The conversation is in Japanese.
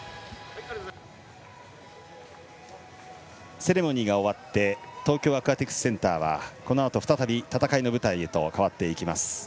セレモニーが終わって東京アクアティクスセンターはこのあと、再び戦いの舞台へと変わっていきます。